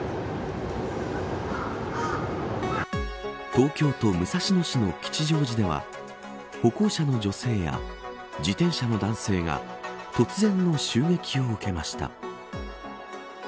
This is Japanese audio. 東京都武蔵野市の吉祥寺では歩行者の女性や自転車の男性が突然の襲撃を受けました。